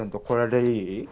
これでいい？